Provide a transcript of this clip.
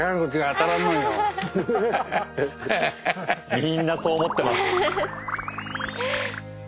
みんなそう思ってます。